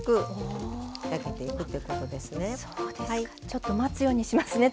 ちょっと待つようにしますね